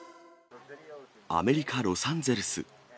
アメリカ・ロサンゼルス。